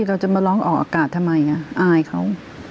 เราจะมาร้องออกอากาศทำไมอายเขา